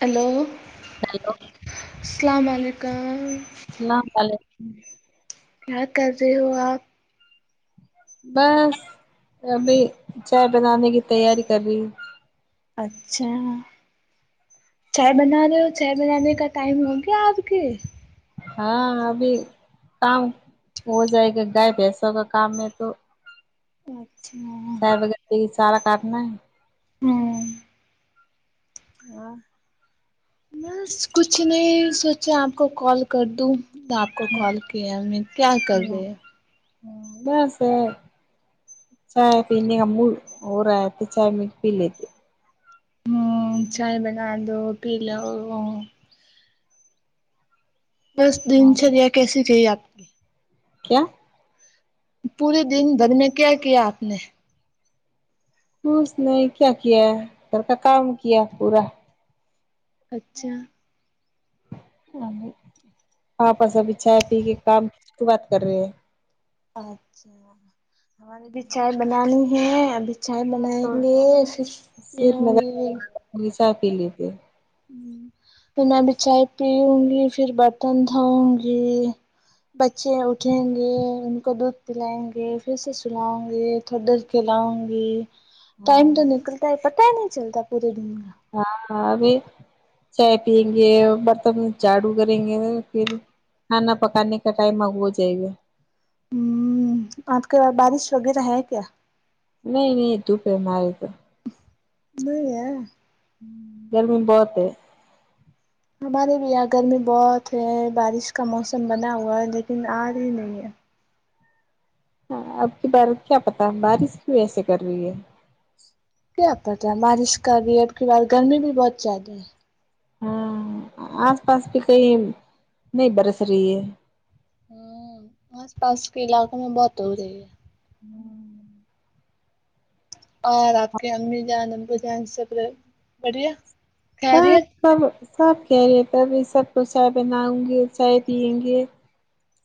hello hello السلام علیکم السلام علیکم کیا کر رہے ہو آپ بس ابھی چائے بنانے کی تیاری کر رہی ہوں اچھا چائے بنا رہے ہو چائے بنانے کا ٹائم ہو گیا آپ کے ہاں ابھی کام ہو جائے گا گائے بھینسوں کا کام میں تو اچھا یہ سارا کرنا ہے ہے اور بس کچھ نہیں سوچا آپ کو کال کر دوں دب آپ کو کال کیا ابھی کیا کر رے وں بس چائے پینے کا موڈ اور اے تو چائے میں پی لیتی ہوں چائے بنا دو پی لو ہوں دس ہاں دنچریا کیسی چاہیے اب کیا پورے دن گھر میں کیا کیا آپ نے بس نہیں کیا کیا گھر کا کام کیا پورا اچھا ہاں بس ابھی چائے پی کے کام کے بات کر رہے ہیں اچھا ہمارے بھی چائے بنانی ہے ابھی چائے ہاں بنائیں تو گے سشتی ہونگی وہیسا پی لیجئے تو میں ابھی چائے پیوں گی پھر برتن دھوں گی بچے اٹھیں گے ان کو دودھ پلائیں گے پھر سے سلاؤں گے ٹھاڈر کھلاؤنگی ٹائم ہاں تو نکلتا ہے پتا ہی نہیں چلتا پورے دن ہاں ہاں ابھی چائے پئیں گے برتن جھاڑو کریں گے پھر کھانا پکانے کا ٹائم اب ہو جائے گا ہوں آپ کے وہاں بارش وغیرہ ہے کیا نہیں نہیں دھوپ ہے ہمآرے تو نہیں ہے گرمی بہت ہے ہمارے بھی یہاں گرمی بہت ہے بارش کا موسم بنا ہوا ہے لیکن آ ری نہیں ہے ہاں اب کی بار کیا پتا بارش کیوں ایسے کر رہی ہے کیا پتا بارش کا بھی اب کی بار گرمی بھی بہت زیادہ ہے ہاں آس پاس بھی کہیں نہیں برس رہی ہے ہاں آس پاس کے علاقوں میں بہت ہو رہی ہے یاں اور آپ کے امی جان ابو جان سب بڑھیا سب خیریت سب سب خیریت ہے تبھی سب کو چائے بناؤ گی چائے پیئیں گے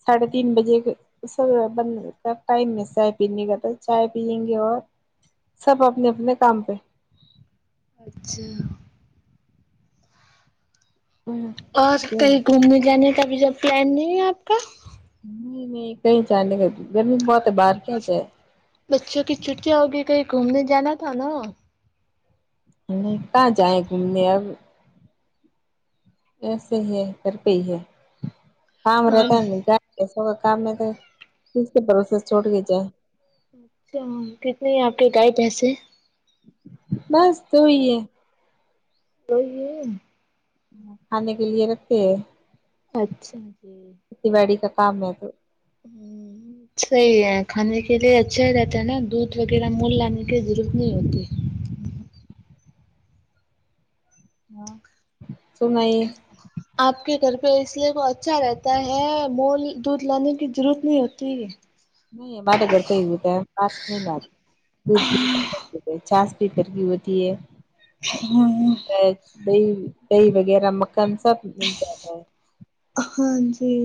ساڑھے تین بجے گئے سر بند ٹائم میں چائے پینے کا تو چائے پیئیں گے اور سب اپنے اپنے کام پہ اچھا اور کہیں نہیں گھومنے جانے کا ب اھی جو پلان نہیں ہے آپ کا نہیں نہیں کہیں جانے کا نہیں گرمی بہت ہے باہر کیا جائے بچوں کی چھٹیاں ہوگئی کہیں گھومنے جانا تھا نا نہیں کہاں جائیں گھومنے اب کیسے ہے گھر پہ ہی ہے کام رہتا نہیں اچھا کیا ایسا کا کام ہے تو کس کے بھروسہ چھوڑ کے جائے چار کتنے ہیں آپ کے گئے پیسے بس دو ہی ہے دو ہی ہے کھانے کے لیے رکھتے ہیں اچھا جی بڑی کا کام ہے تو ہوں صحیح ہے کھانے کے لیے اچھا ہی رہتا ہے نا دودھ وغیرہ مول لانے کی ضرورت نہیں ہوتی [inaudible] اور سنائے آپ کے گھر پہ اس لیے وہ اچھا رہتا ہے مول دودھ لانے کی ضرورت نہیں ہوتی نہیں ہمارے گھر پر ہوتا ہے پاس نہیں لاتے دھ کی چاس بھی ادھر کی ہوتی ہے [unintelligible] ہوں ہوں ا دہی دہی وغیرہ مکھن سب مل جاتا ہے ہاں جی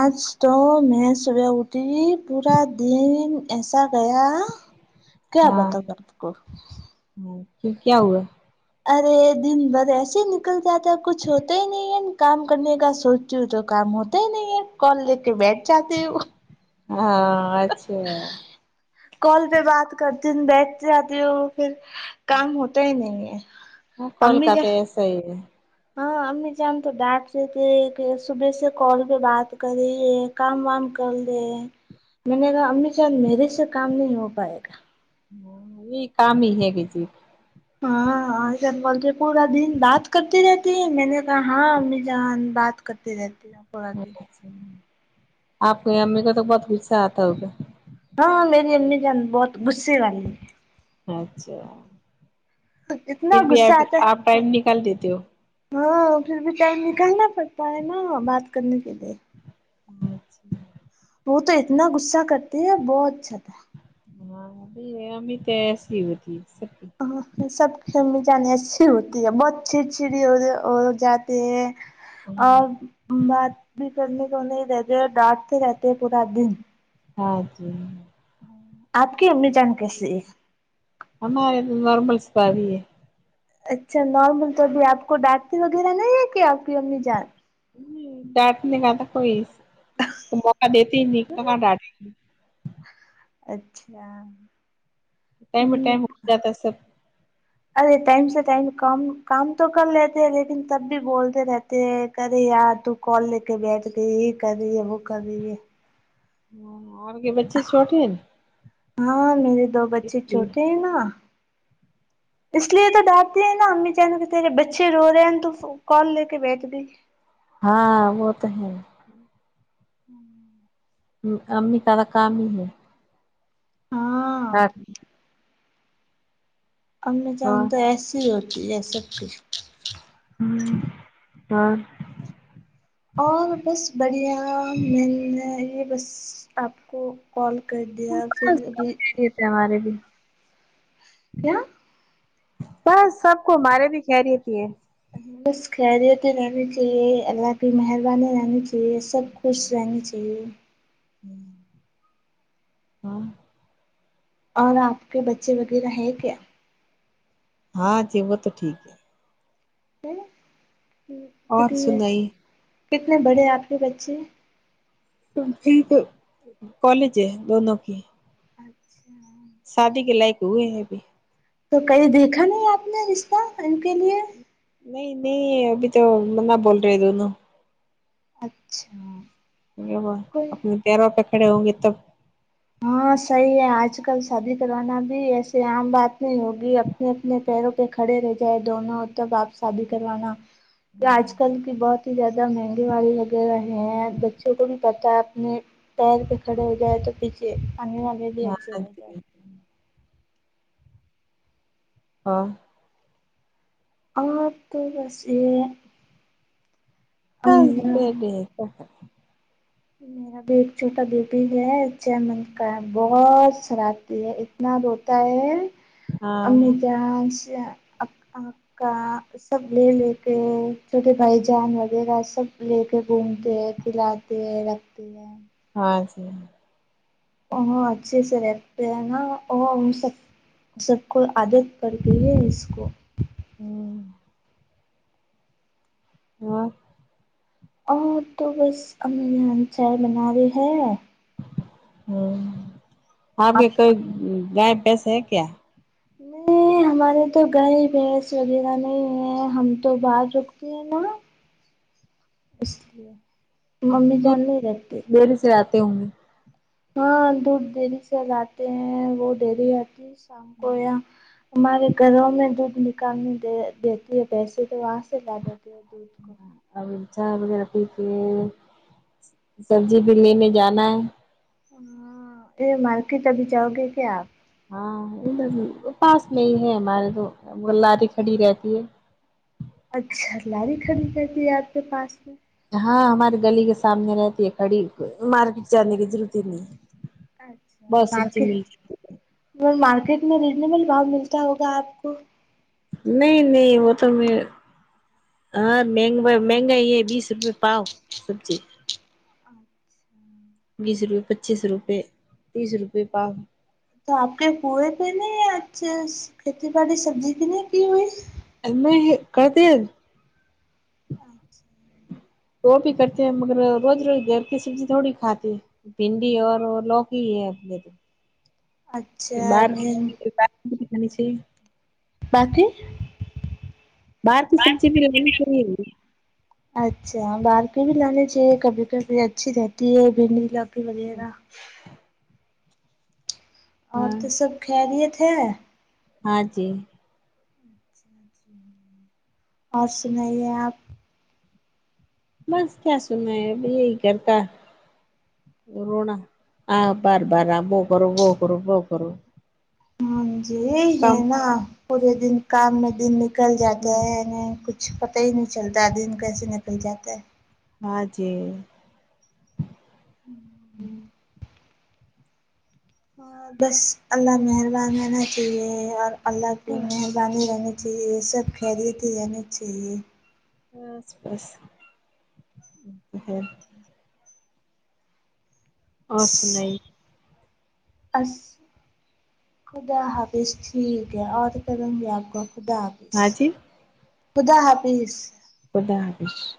آج تو میں صبح اٹھی پورا دن ایسا گیا ہاں کیا بتاؤں آپ کو ہاں کیوں کیا ہوا ارے دن بھر ایسے ہی نکل جاتا ہے کچھ ہوتا ہی نہیں ہے کام کرنے کا سوچتی ہوں تو کام ہوتا ہی نہیں ہے کال لے کے بیٹھ جاتی ہوں ہاں اچھا کال پہ بات کرتے بیٹھ جاتے ہو پھر کام ہوتا ہی نہیں ہے ہاں کال امی کا کیا تو ایسا ہی ہے ہاں امی جان تو ڈانٹ رہی تھے کہ صبح سے کال پہ بات کر رہی ہے کام وام کر لے میں نے کہا امی جان میرے سے کام نہیں ہو پائے گا یہ کام ہی ہے بزی ہاں س بولتے پورا دن بات کرتے رہتی ہے میں نے کہا ہاں امی جان بات کرتی رہتی ہے پورا دن آپ کی امی کا تو بہت غصہ آتا ہوگا ہاں میری امی جان بہت غصے والی ہے اچھا ہے پھر اتنا بھی آ غصہ آتا آپ ہے ٹائم نکال دیتے ہو ہاں پھر بھی ٹائم نکالنا پڑتا ہے نا بات کرنے کے لیے اچھا وہ تو اتنا غصہ کرتی ہے بہت اچھا تھا ہاں امی تو ایسی ہوتی ہے سبکی آں سب کی امی جان ایسی ہوتی ہے بہت چڑچڑی ہو جات ہو جاتی ہیں ا بات بھی کرنے کو نہیں دیتے ہے ڈانٹتے رہتے ہیں پورا دن ہاں جی آپ کی امی جان کیسی ہے ہمارے تو نارمل سب ہی ہے اچھا نارمل تو ابھی آپ کو ڈانٹتی وغیرہ نہیں ہے کیا آپ کی امی جان ہوں ڈانٹنے کا تھا کوئی موقع دیتے ہی نہیں تو کہاں ڈانٹے گی اچھا ٹائم پ ٹائم ہو جاتا ہے سب ارے ٹائم سے پہلے کام کام تو کر لیتے ہیں لیکن تب بھی بولتے رہتے تے کر رہی ار تو کال لے کے بیٹھ گئی یہ کر رہی ہے وہ کر رہی ہے ہون اور آپ کے بچے چھوٹے ہیں ہاں میرے دو اس بچے لیے چھوٹے ہیں نا اس لیے تو دانٹتی ہیں نا امی جان کہ ترے بچے رو رہے ہیں تو ف وہ کال لے کے بیٹھ گئی ہاں وہ تو ہے امی سارا کام ہی ہے ہاں ٹھا امی جان اور تو ایسی ہوتی ہے سب کی ہوں اور اور بس بڑھیا مل رہے بس آپ کو کال کر دیا پھر بھی تمارے بھی کیا بس سب کو ہمارے بھی خیریت ہی ہے بس خیریت ہی رہنی چاہیے اللہ کی مہربانی رہنی چا ہیے سب خوش رہنا چاہیے ہاں اور آپ کے بچے وغیرہ ہے کیا ہاں جی وہ تو ٹھیک ہے کتنے ہاں اور کتنے سنائیے کتنے بڑے آپ کے بچے تم بھی کالج ہے دونوں کی اچھا شادی کے لائق ہوئے ہیں ابھی تو کہیں دیکھا نہیں آپ نے رشتہ ان کے لیے نہیں نہیں ابھی تو نہ بول رہے دونوں اچھا نہیں وہ کوئی اپنے پیروں پہ کھڑے ہوں گے تب ہاں صحیح ہے آج کل شادی کروانا بھی ایسے عام بات نہیں ہوگی اپنے اپنے پیروں پہ کھڑے رہ جائے دونوں تب آپ شادی کروانا یہ آج کل بھی بہت ہی زیادہ مہنگے والے لگے رہے ہیں بچوں کو بھی بتا ہے اپنے پیر پہ کھڑے ہو جائے تو پیچھے آنے والے بھی ہاں اچھے رہ جاے ہاں آپ کو بس یہ ہاں جی [unintelligible] میرا بھی ایک چھوٹا بیبی ہے چھ منتھ کا ہے بہت شرارتی ہے اتنا روتا ہے ہاں امی جان سے آپ کا سب لے لے کے چھوٹے بھائی جان وغیرہ سب لے کے گھومتے ہیں پھرا تے ہے رکھتے ہے ہاں جی او ہاں اچھے سے رہتے ہیں نا اور ان سب سب کو عادت پڑ گئی ہے اس کو ہوں اور امی تو بس اپنے من چائی بنا رہی ہے ہم ہاں آپ بیٹے گیپ ٹیسٹ ہے کیا نہیں ہمارے تو گائی بھینس وغیرہ نہیں ہے ہم تو بازک نا اس لیے ممی جان نہیں رکھتی دیر سے ات تے انگے ہاں دودھ دن سے لاتے ہیں وہ ٹیری ڈیری اتی سی شام کو یہاں ہمارے گھروں میں دھوپ نک ک دے دیتی ہے پیسے تو وہاں سے لا دیتی ہے دودھ کو چائی ابھی پیے سبزی بھی لینے جانا ہے ہاں پھر مارکیٹ ابھی جاؤ گے کیا آپ ہاں ادھر پاس میں ہی ہے ہمارے تو لاری کھڑی رہتی ہے اچھا لاری کھڑی کرتی ہے آپ کے پاس میں ہاں ہماریے گلی کے سامنے رہتی ہے کھڑی مارکیٹ جانے کی ضرورت ہی نہیں ہے بس سبزی ملی وہ مارکیٹ میں ریزنیبل بھاؤ ملتا ہوگا اپ کو نہیں نہیں وہ تو میں ہاں مہگ مہنگا یہ بھی سبزی پاؤ سبزی بیس روپے پچیس روپے تیس روپئے پاؤ تو آپ کے پورے فین یا اچھے کھیتی باڑی سبزی کی نہیں ہوتی ہوئی ایم اے ہیں کرتے اد وہ بھی کرتے ہیں مگر روز روز گھر کی سبزی تھوڑی کھاتے ہے بھنڈی اور لوک ہی ہے اب میں کو پھر اچھا بار بھین پھر بار تھی اتنی سی باقی باہر کی سبزی بھی ریگولر فریر ہوگی اچھا باہر کی بھی لانا چاہیے کبھی کبھی بھنڈی اچھی لک وغیرہ اور ہاں تو سب خریت ہے ہاں جی اور سنائیے آپ بس کیا سنایے ابھی یہی کر تا رونا آ بار بار اپ وہ کرو وہ کرو وہ کرو ہاں جی یہی ہے کم نا کام میں پورے دن نکل جاتا ہے ن کچھ کچھ پتاہ ہی نہیں چلتا دن کیسے نکل جاتا ہے ہاں جی اور بس اللہ مہربان ہونا چاہیے اور اللہ کی مر پانی رہنی چاہیے یہ سب خیریت ہی رہنی چاہیے بس بس وہ تو ہے اور سنائی اس خدا حافظ ٹھیک ہے اور کروں گی آپ کو خدا حافظ ہاں جی خدا حافظ خدا حفظ